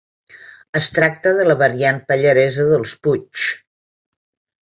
Es tracta de la variant pallaresa dels Puigs.